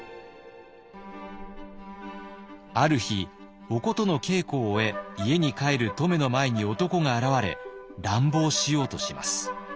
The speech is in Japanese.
ある日お琴の稽古を終え家に帰る乙女の前に男が現れ乱暴しようとします。